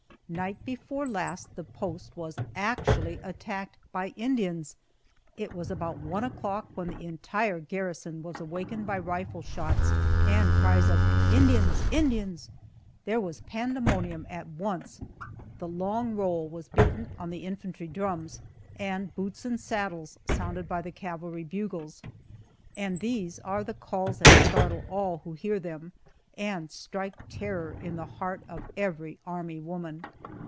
Night before last the post was actually attacked by Indians! It was about one o'clock when the entire garrison was awakened by rifle shots and cries of "Indians! Indians!" There was pandemonium at once. The "long roll" was beaten on the infantry drums, and "boots and saddles" sounded by the cavalry bugles, and these are calls that startle all who hear them, and strike terror to the heart of every army woman.